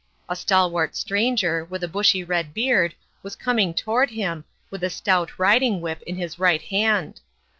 A stalwart stranger, with a bushy red beard, was coming toward him, with a stout riding whip in his right hand.